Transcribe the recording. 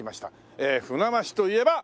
ええ船橋といえば。